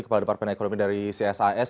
kepala departemen ekonomi dari csis